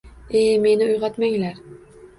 E-e, meni uyg`otmanglar